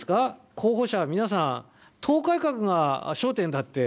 候補者皆さん、党改革が焦点だって。